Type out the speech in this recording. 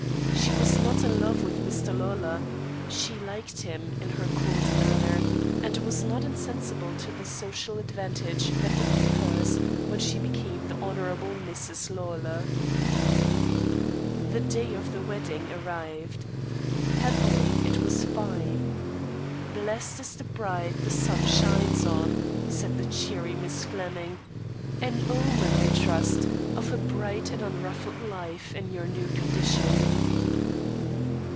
She was not in love with Mr. Lawlor; she liked him, in her cold manner, and was not insensible to the social advantage that would be hers when she became the Honourable Mrs. Lawlor. The day of the wedding arrived. Happily it was fine. "Blessed is the bride the sun shines on," said the cheery Miss Flemming; "an omen, I trust, of a bright and unruffled life in your new condition."